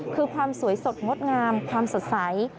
คือความสวยสดงดงามความสดใส